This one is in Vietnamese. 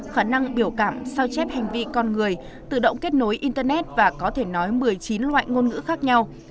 khả năng biểu cảm sao chép hành vi con người tự động kết nối internet và có thể nói một mươi chín loại ngôn ngữ khác nhau